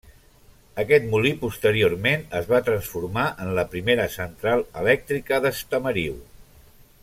Aquest molí posteriorment es va transformar en la primera central elèctrica d'Estamariu.